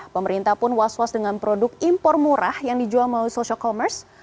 pemerintah pun was was dengan produk impor murah yang dijual melalui social commerce